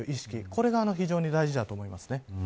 これが非常に大事だと思います。